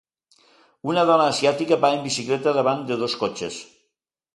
Una dona asiàtica va en bicicleta davant de dos cotxes.